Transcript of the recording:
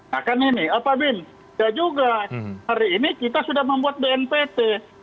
nah kan ini pak bin ya juga hari ini kita sudah membuat bnpt